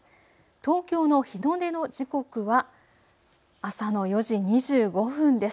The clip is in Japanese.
東京の日の出の時刻は朝の４時２５分です。